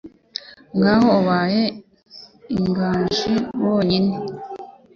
Ngaho ubaye inganji wonyine,